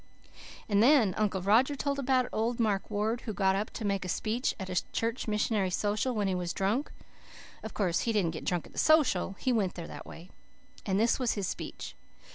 "And then Uncle Roger told about old Mark Ward who got up to make a speech at a church missionary social when he was drunk. (Of course he didn't get drunk at the social. He went there that way.) And this was his speech.